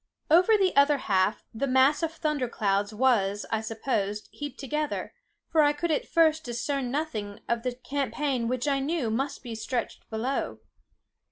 Over the other half, the mass of thunder clouds was, I supposed, heaped together; for I could at first discern nothing of the champaign which I knew must be stretched below.